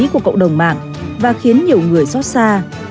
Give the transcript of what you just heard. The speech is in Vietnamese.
của cộng đồng mạng và khiến nhiều người xót xa